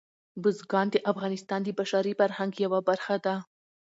بزګان د افغانستان د بشري فرهنګ یوه برخه ده.